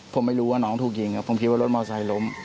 ผมไม่รู้ว่าน้องถูกยิงผมคิดว่ารถมอไซค์ล้ม